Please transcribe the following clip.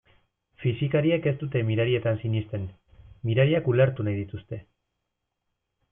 Fisikariek ez dute mirarietan sinesten, mirariak ulertu nahi dituzte.